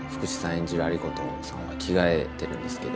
演じる有功さんは着替えているんですけど